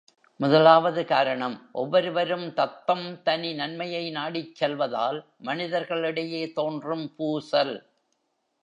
முதலாவது காரணம் ஒவ்வொருவரும் தத்தம் தனி நன்மையை நாடிச் செல்வதால் மனிதர்களிடையே தோன்றும் பூசல்.